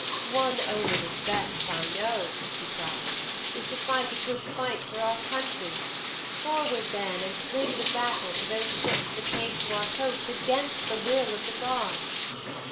"One omen is best, I know," he cried, "to fight a good fight for our country. Forward then and bring the battle to those ships that came to our coast against the will of the gods."'